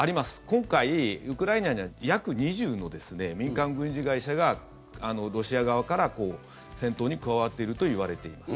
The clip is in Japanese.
今回、ウクライナには約２０の民間軍事会社がロシア側から、戦闘に加わっているといわれています。